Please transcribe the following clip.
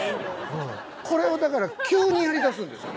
これを急にやりだすんですよ